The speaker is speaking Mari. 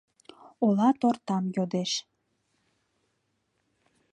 Ола тортам йодеш.